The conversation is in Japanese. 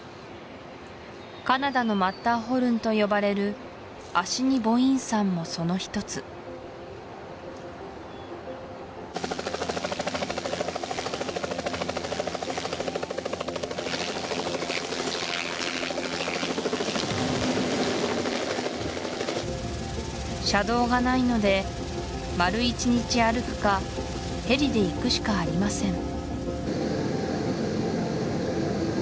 カナダのマッターホルンと呼ばれるアシニボイン山もその一つ車道がないので丸一日歩くかヘリで行くしかありません